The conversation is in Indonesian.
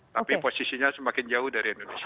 tapi posisinya semakin jauh dari indonesia